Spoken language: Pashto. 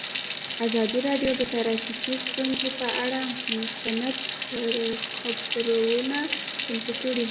ازادي راډیو د ټرافیکي ستونزې پر اړه مستند خپرونه چمتو کړې.